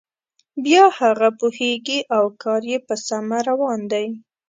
بیا هغه پوهیږي او کار یې په سمه روان دی.